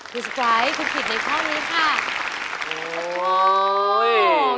คุณสปร้ายคุณผิดในข้อนี้ค่ะโอ้โฮ